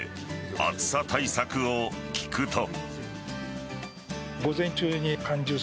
暑さ対策を聞くと。